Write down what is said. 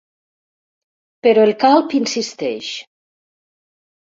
Però el calb insisteix.